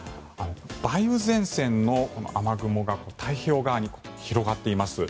梅雨前線の雨雲が太平洋側に広がっています。